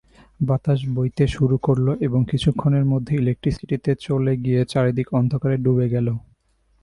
বাতাস বইতে শুরু করল এবং কিছুক্ষণের মধ্যে ইলেকট্রিসিটি চলে গিয়ে চারদিক অন্ধকারে ডুবে গেল।